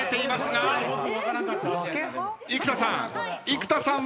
生田さん。